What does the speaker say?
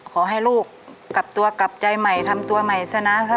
ขอให้ลูกกลับตัวกลับใจใหม่ทำตัวใหม่ซะนะ